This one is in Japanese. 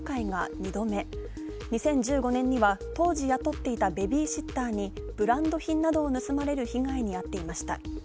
２０１５年には当時雇っていたベビーシッターにブランド品などを盗まれる被害に遭っていました。